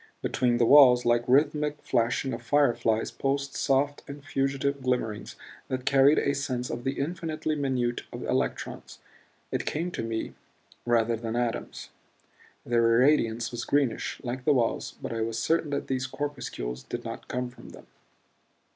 Between the walls, like rhythmic flashing of fire flies, pulsed soft and fugitive glimmerings that carried a sense of the infinitely minute of electrons, it came to me, rather than atoms. Their irradiance was greenish, like the walls; but I was certain that these corpuscles did not come from them.